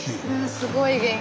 すごい元気。